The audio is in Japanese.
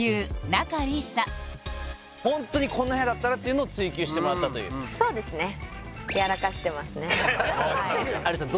ホントにこんな部屋だったらっていうのを追求してもらったというそうですね有吉さん